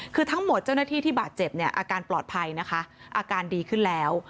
คือทั้งหมดเจ้าหน้าที่ที่บาดเจ็บเนี่ยอาการปลอดภัยนะคะอาการดีขึ้นแล้ว